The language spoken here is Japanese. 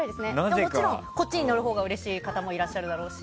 もちろん、これに載るほうがうれしい方もいらっしゃるでしょうけど。